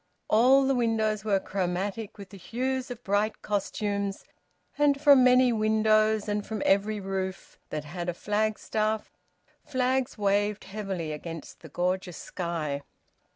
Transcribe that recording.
All the windows were chromatic with the hues of bright costumes, and from many windows and from every roof that had a flagstaff flags waved heavily against the gorgeous sky.